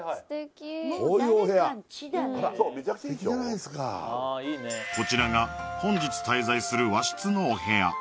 こういうお部屋こちらが本日滞在する和室のお部屋